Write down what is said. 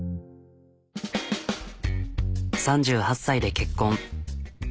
３８歳で結婚。